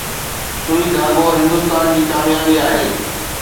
’سوئي ڌاڳو‘ هندستان جي ڪاميابي آهي